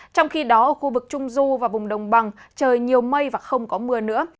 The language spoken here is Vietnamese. trong khi đó khu vực trung dô và bùng đồng bằng trời nhiều mây và không có mưa nữa